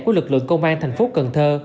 của lực lượng công an thành phố cần thơ